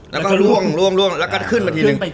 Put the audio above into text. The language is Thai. แล้วก็ล่วงแล้วก็ขึ้นมาทีนึง